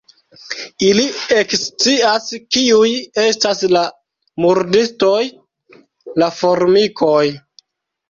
Ili ekscias kiuj estas la murdistoj: la formikoj.